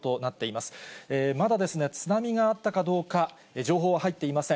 まだ津波があったかどうか、情報は入っていません。